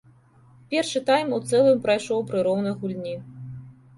Першы тайм у цэлым прайшоў пры роўнай гульні.